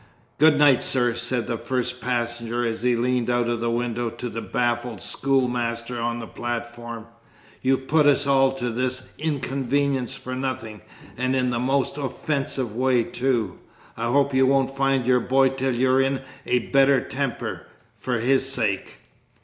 "Good night, sir," said the first passenger as he leant out of the window, to the baffled schoolmaster on the platform. "You've put us to all this inconvenience for nothing, and in the most offensive way too. I hope you won't find your boy till you're in a better temper, for his sake."